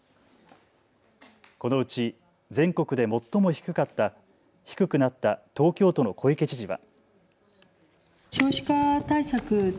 このうち全国で最も低くなった東京都の小池知事は。